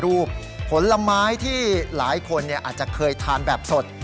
ผลไม้ที่หลายคนอาจจะเคยทานแบบสด